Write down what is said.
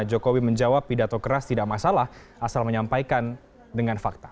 jokowi menjawab pidato keras tidak masalah asal menyampaikan dengan fakta